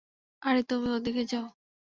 আরে, তুমি ওদিকে যাও।